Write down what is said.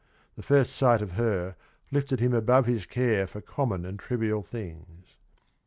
The first sight of her lifted him above his care for common and trivial things.